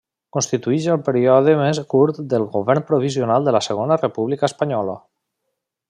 Constitueix el període més curt del Govern Provisional de la Segona República Espanyola.